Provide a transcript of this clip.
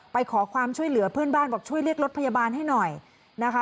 ไปขอความช่วยเหลือเพื่อนบ้านบอกช่วยเรียกรถพยาบาลให้หน่อยนะคะ